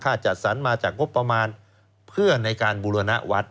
จัดสรรมาจากงบประมาณเพื่อในการบูรณวัฒน์